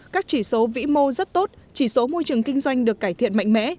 các chỉ số vĩ mô rất tốt chỉ số môi trường kinh doanh được cải thiện mạnh mẽ